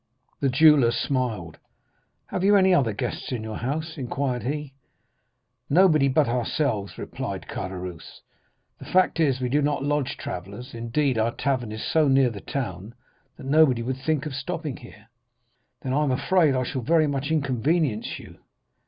"The jeweller smiled. 'Have you any other guests in your house?' inquired he. "'Nobody but ourselves,' replied Caderousse; 'the fact is, we do not lodge travellers—indeed, our tavern is so near the town, that nobody would think of stopping here.' "'Then I am afraid I shall very much inconvenience you.